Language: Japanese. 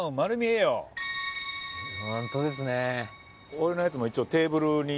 俺のやつも一応。